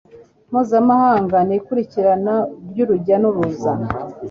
mpuzamahanga n ikurikirana ry urujya n uruza